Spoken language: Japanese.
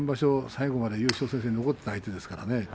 最後まで優勝戦線に残っていた相手ですからね